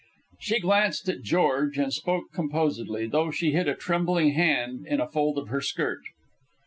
She glanced at George and spoke composedly, though she hid a trembling hand in a fold of her skirt.